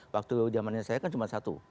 waktu zamannya saya kan cuma satu